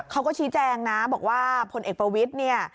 เขาก็ชี้แจงนะบอกว่าพลเอกประวิทย์เนี่ย